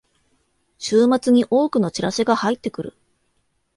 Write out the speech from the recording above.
週末に多くのチラシが入ってくる